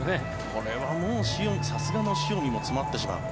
これはもうさすがの塩見も詰まってしまう。